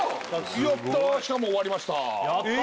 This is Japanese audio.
たーしかも終わりました